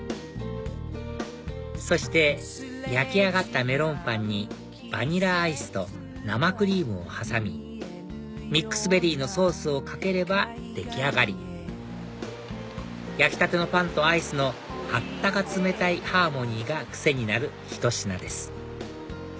そして焼き上がったメロンパンにバニラアイスと生クリームを挟みミックスベリーのソースをかければ出来上がり焼きたてのパンとアイスの温か冷たいハーモニーが癖になるひと品です